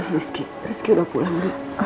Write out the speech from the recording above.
rizky rizky udah pulang